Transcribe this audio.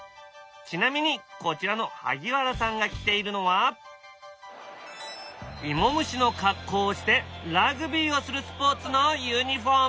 ちなみにこちらの萩原さんが着ているのは芋虫の格好をしてラグビーをするスポーツのユニフォーム。